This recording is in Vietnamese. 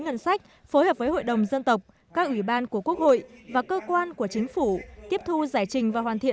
ngân sách phối hợp với hội đồng dân tộc các ủy ban của quốc hội và cơ quan của chính phủ tiếp thu giải trình